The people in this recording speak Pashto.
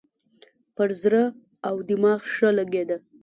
پر زړه او دماغ ښه لګېدله.